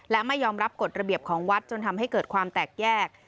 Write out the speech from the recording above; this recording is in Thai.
และไม่ยอมรับกฎระเบียบของวัดจนทำให้เกิดความแตกแยก